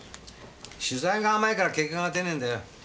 取材が甘いから結果が出ねぇんだよ。